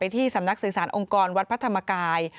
ที่สำนักสื่อสารองค์กรวัดพระธรรมกาย